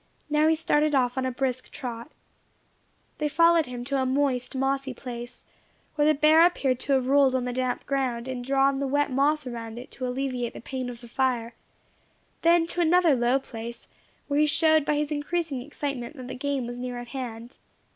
Now he started off on a brisk trot. They followed him to a moist, mossy place, where the bear appeared to have rolled on the damp ground, and drawn the wet moss around it to alleviate the pain of the fire; then to another low place, where he showed by his increasing excitement that the game was near at hand.